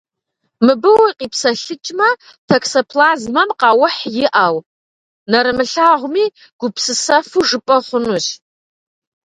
Мыбы укъипсэлъыкӏмэ, токсоплазмэм къаухь иӏэу, нэрымылъагъуми, гупсысэфу жыпӏэ хъунущ.